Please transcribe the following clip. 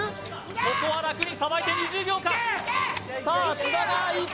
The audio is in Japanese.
ここは楽にさばいて２０秒か津田津田いけ！